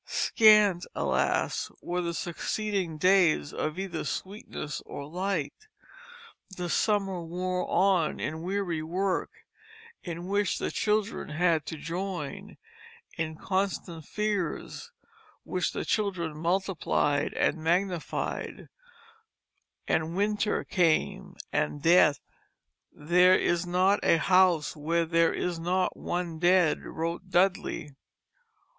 Scant, alas! were the succeeding days of either sweetness or light. The summer wore on in weary work, in which the children had to join; in constant fears, which the children multiplied and magnified; and winter came, and death. "There is not a house where there is not one dead," wrote Dudley.